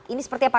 ini seperti apa